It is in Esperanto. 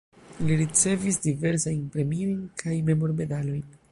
Li ricevis diversajn premiojn kaj memormedalojn.